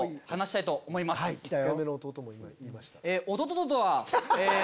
おととととは。